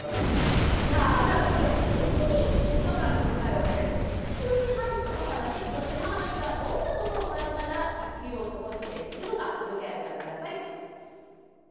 さあではここで無事に職場からの理解を得られて育休に入ったパパたちそしてママたちがどんなことを感じながら育休を過ごしているのかＶＴＲをご覧下さい。